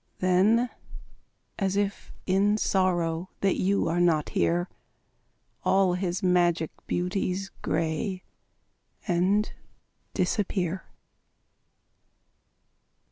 Then, as if in sorrow That you are not here, All his magic beauties Gray and disappear.